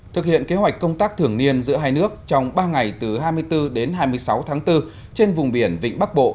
thực hiện kế hoạch công tác thường niên giữa hai nước trong ba ngày từ hai mươi bốn đến hai mươi sáu tháng bốn trên vùng biển vịnh bắc bộ